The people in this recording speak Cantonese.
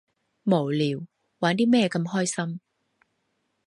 無聊，玩啲咩咁開心？